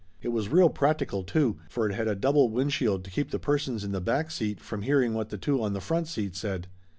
It was real practical, too, for it had a double windshield to keep the persons in the back seat from hearing what the two on the front seat said.